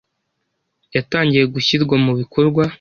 ” yatangiye gushyirwa mu bikorwa,